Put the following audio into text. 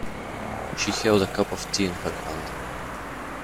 She held a cup of tea in her hand.